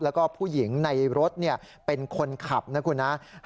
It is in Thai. แล้วก็ผู้หญิงในรถเป็นคนขับนะคุณนะ